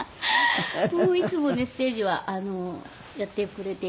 いつもねステージはやってくれていて。